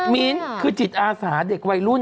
มิ้นคือจิตอาสาเด็กวัยรุ่น